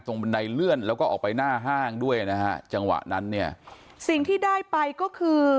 บันไดเลื่อนแล้วก็ออกไปหน้าห้างด้วยนะฮะจังหวะนั้นเนี่ยสิ่งที่ได้ไปก็คือ